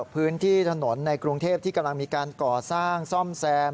พื้นที่ถนนในกรุงเทพที่กำลังมีการก่อสร้างซ่อมแซม